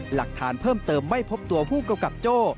หลักฐานเพิ่มเติมไม่พบตัวผู้กำกับโจ้